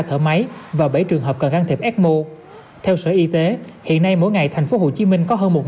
thở máy và bảy trường hợp cần can thiệp ecmo theo sở y tế hiện nay mỗi ngày tp hcm có hơn một